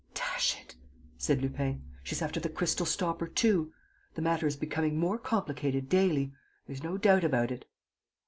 "Dash it!" said Lupin. "She's after the crystal stopper too! The matter is becoming more complicated daily; there's no doubt about it."